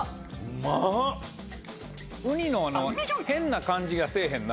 ウニの変な感じがせぇへんな。